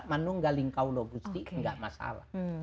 manunggalingkaulobusti enggak masalah